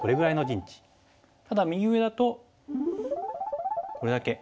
ただ右上だとこれだけ。